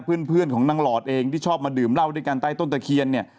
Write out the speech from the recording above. เพื่อนของนางหลอดเองที่ชอบมาดื่มเหล้าด้วยกันใต้ต้นตะเคียนเนี่ย